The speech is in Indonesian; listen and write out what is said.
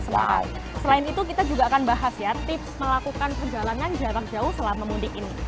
semarang selain itu kita juga akan bahas ya tips melakukan perjalanan jarak jauh selama mudik ini